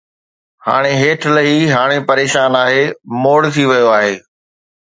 ھاڻي ھيٺ لھي، ھاڻي پريشان آھي، موڙ ٿي ويو آھي